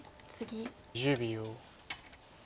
１０秒。